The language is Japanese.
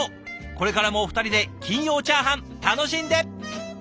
これからもお二人で金曜チャーハン楽しんで！